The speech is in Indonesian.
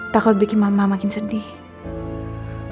takut bikin mama makin sedih